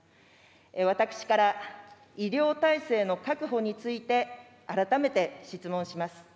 私から、医療体制の確保について、改めて質問します。